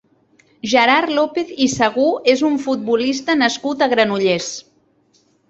Gerard López i Segú és un futbolista nascut a Granollers.